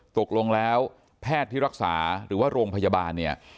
ตกลงแล้วแพทย์ที่รักษาหรือว่าโรงพยาบาลเนี่ย